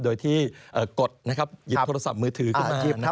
โดยที่กดนะครับหยิบโทรศัพท์มือถือขึ้นมากิน